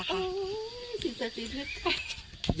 ไอ้ท่านสิทธิเนี่ย